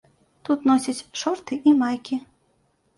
Тут носяць шорты і майкі.